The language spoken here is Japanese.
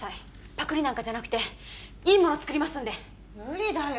パクりなんかじゃなくていいもの作りますんで無理だよ